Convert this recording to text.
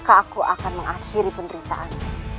apakah aku akan mengakhiri penderitaan